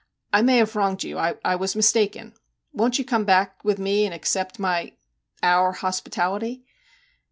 ' I may have wronged you ; I was mistaken. Won't you come back with me and accept my our hospitality